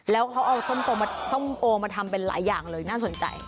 แล้วเขาเอาส้มโอมาทำเป็นหลายอย่างเลยน่าสนใจ